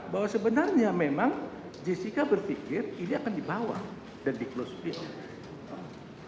bahwa sebenarnya memang jessica berpikir ini akan dibawa dan di closepi